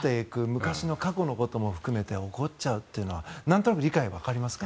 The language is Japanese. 昔の過去のことも含めて怒っちゃうというのはなんとなく理解、わかりますか？